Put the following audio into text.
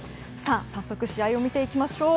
早速、試合を見ていきましょう。